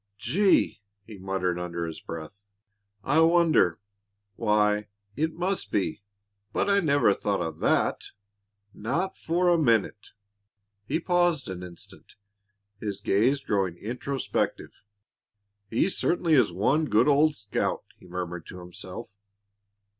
"Gee!" he muttered under his breath. "I wonder Why, it must be! But I never thought of that not for a minute!" He paused an instant, his gaze growing introspective. "He certainly is one good old scout," he murmured to himself.